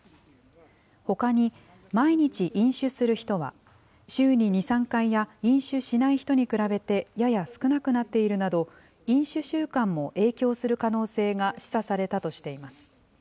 ほかに毎日飲酒する人は、週に２、３回や飲酒しない人に比べてやや少なくなっているなど、飲酒習慣も影響する可能性が示唆されたとしています。